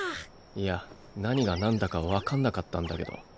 いや何がなんだか分かんなかったんだけど。